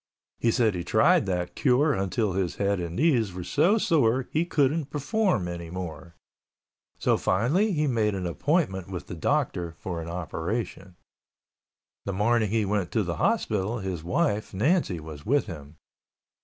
He said he tried that cure until his head and knees were so sore he couldn't perform anymore. So he finally made an appointment with the doctor for an operation. The morning he went to the hospital his wife, Nancy, was with him.